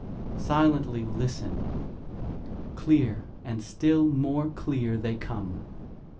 Silently listen! Clear, and still more clear, they come.